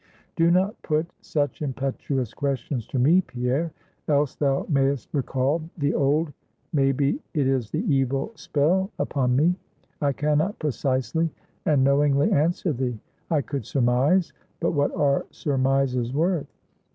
"Do not put such impetuous questions to me, Pierre; else thou mayst recall the old may be, it is the evil spell upon me. I can not precisely and knowingly answer thee. I could surmise; but what are surmises worth?